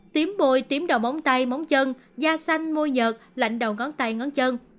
tiếm bồi tiếm đầu móng tay móng chân da xanh môi nhợt lạnh đầu ngón tay ngón chân